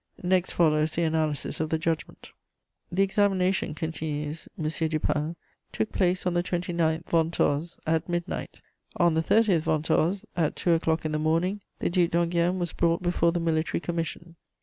Next follows the analysis of the judgment. * "The examination," continues M. Dupin, "took place on the 29 Ventôse at midnight. On the 30 Ventôse, at two o'clock in the morning, the Duc d'Enghien was brought before the military commission.